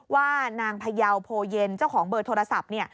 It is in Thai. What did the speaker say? ว่านางพยาวโพเย็นเจ้าของเบอร์โทรศัพท์